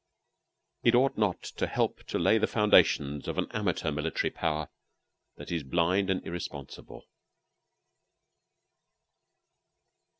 It ought not to help to lay the foundations of an amateur military power that is blind and irresponsible.